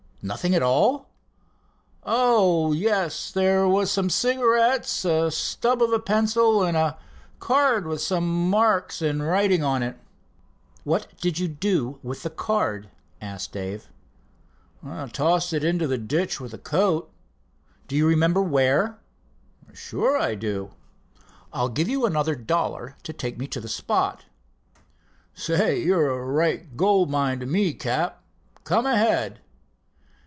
"Nothing at all?" "Oh, yes, there was some cigarettes, a stub of a pencil and a card with some marks and writing, on it." "What did you do with the card?" asked Dave. "Tossed it into the ditch with the coat." "Do you remember where?" "Sure, I do." "I'll give you another dollar to take me to the spot." "Say, you're a gold mine to me, Cap. Come ahead."